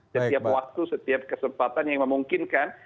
setiap waktu setiap kesempatan yang memungkinkan